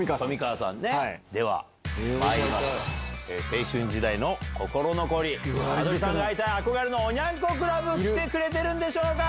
青春時代の心残り羽鳥さんが会いたい憧れのおニャン子クラブ来てくれてるんでしょうか？